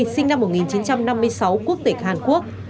sinh năm một nghìn chín trăm năm mươi sáu quốc tịch hàn quốc